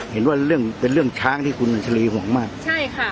เห็นว่าเรื่องเป็นเรื่องช้างที่คุณอัชรีห่วงมากใช่ค่ะ